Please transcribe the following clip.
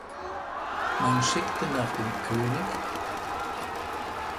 Man schickte nach dem König.